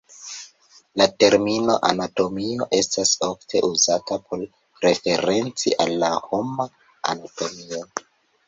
La termino "anatomio" estas ofte uzata por referenci al la homa anatomio.